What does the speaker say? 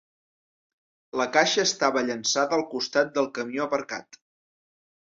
La caixa estava llençada al costat del camió aparcat.